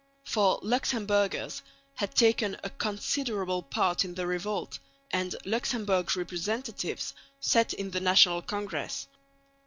For Luxemburgers had taken a considerable part in the revolt, and Luxemburg representatives sat in the National Congress.